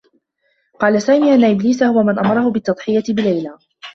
قال سامي أنّ إبليس هو من أمره بالتّضحية بليلى.